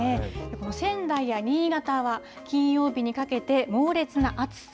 この仙台や新潟は、金曜日にかけて猛烈な暑さ。